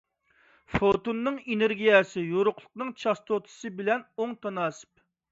فوتوننىڭ ئېنېرگىيەسى يورۇقلۇقنىڭ چاستوتىسى بىلەن ئوڭ تاناسىپ.